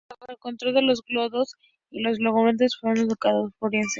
Bajo el control de los godos y los longobardos fue un ducado floreciente.